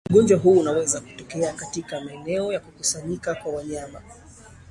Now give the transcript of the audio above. ugonjwa huu unaweza kutokea katika maeneo ya kukusanyika kwa wanyama